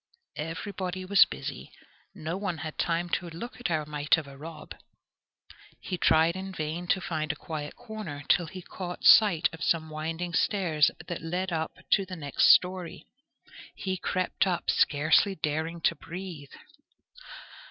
Everybody was busy. No one had time to look at our mite of a Rob. He tried in vain to find a quiet corner, till he caught sight of some winding stairs that led up to the next storey. He crept up, scarcely daring to breathe.